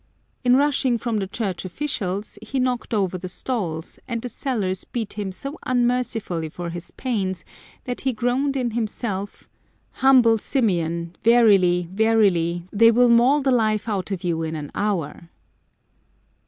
In rushing from the church officials, he knocked over the stalls,^ and the sellers beat him so unmercifully for his pains that he groaned in himself :" Humble Symeon, verily, verily, they will maul the life out of you in an hour